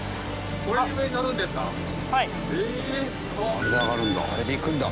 あれで上がるんだ。